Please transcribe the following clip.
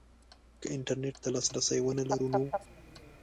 که انترنټ ته لاسرسی ونه لرو نو